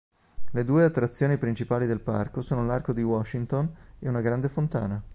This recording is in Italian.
Le due attrazioni principali del parco sono l'Arco di Washington e una grande fontana.